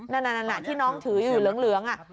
นั่นที่น้องถืออยู่เหลือง